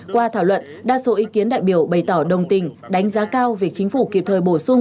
qua thảo luận đa số ý kiến đại biểu bày tỏ đồng tình đánh giá cao việc chính phủ kịp thời bổ sung